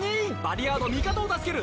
リヤード味方を助ける！